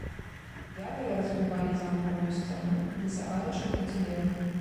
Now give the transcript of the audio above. Ядры разбівалі замкавую сцяну, дасягаючы процілеглай.